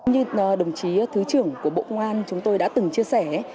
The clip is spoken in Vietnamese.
như đồng chí thứ trưởng của bộ công an chúng tôi đã từng chia sẻ